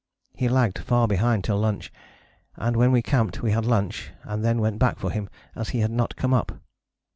He lagged far behind till lunch, and when we camped we had lunch, and then went back for him as he had not come up.